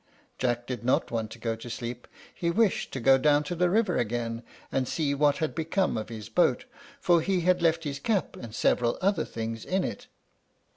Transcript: Jack did not want to go to sleep; he wished to go down to the river again, and see what had become of his boat, for he had left his cap and several other things in it.